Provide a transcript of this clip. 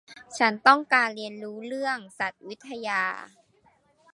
ฉันต้องการเรียนรู้เรื่องสัตววิทยา